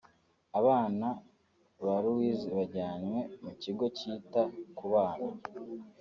Abana ba Louise bajyanywe mu kigo kita ku bana